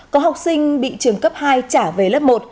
có học sinh bị trường cấp hai trả về lớp một